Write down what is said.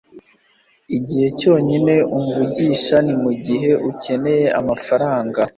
Igihe cyonyine umvugisha ni mugihe ukeneye amafaranga